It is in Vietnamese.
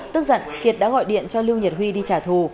tức giận kiệt đã gọi điện cho lưu nhật huy đi trả thù